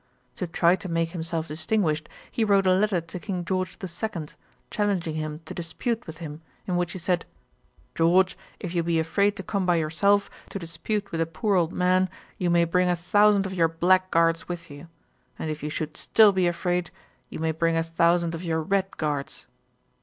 To try to make himself distinguished, he wrote a letter to King George the Second, challenging him to dispute with him, in which he said, "George, if you be afraid to come by yourself, to dispute with a poor old man, you may bring a thousand of your black guards with you; and if you should still be afraid, you may bring a thousand of your red guards."